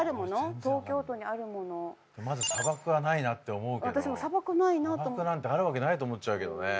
まず砂漠はないなって思うけど私も砂漠ないなと砂漠なんてあるわけないと思っちゃうけどね